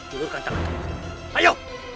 julurkan tangan kamu